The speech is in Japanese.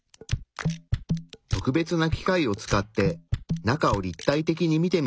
特別な機械を使って中を立体的に見てみると。